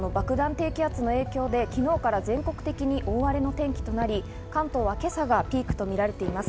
低気圧の影響で昨日から全国的に大荒れの天気となり、関東は今朝がピークとみられています。